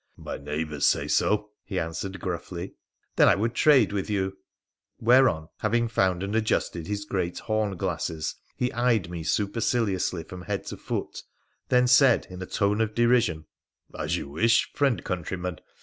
'My neighbours say so,' he answered gruffly. ' Then I would trade with you.' Whereon — having found and adjusted his great hornglasses — he eyed me superciliously from head to foot ; then said, in a tone of derision —' As you wish, friend countryman.